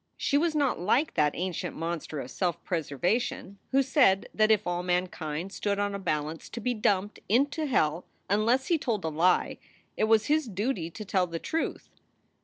She was not like that ancient monster of self preservation who said that if all mankind stood on a balance to be dumped into hell unless he told a lie, it was his duty to tell the truth.